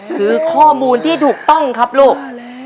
คือข้อมูลที่ถูกต้องครับลูก